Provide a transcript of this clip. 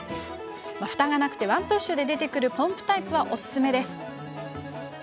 ふたがなくワンプッシュで出てくるポンプタイプがおすすめです。